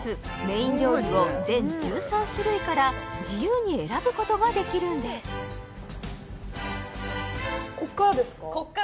メイン料理を全１３種類から自由に選ぶことができるんですここからですか？